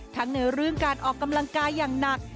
ในเรื่องการออกกำลังกายอย่างหนัก